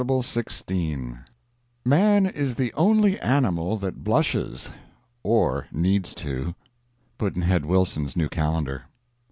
CHAPTER XXVII Man is the Only Animal that Blushes. Or needs to. Pudd'nhead Wilson's New Calendar.